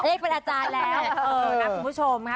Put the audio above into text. เลขเป็นอาจารย์แล้วนะคุณผู้ชมค่ะ